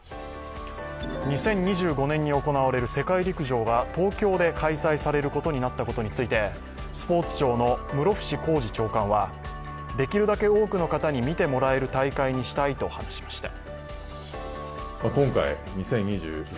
２０２５年に行われる世界陸上が東京で開催されることになったことについてスポーツ庁の室伏広治長官は、できるだけ多くの方に見てもらえる大会にしたいと話しました。